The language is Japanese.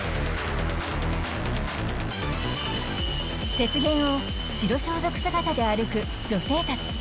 雪原を白装束姿で歩く女性たち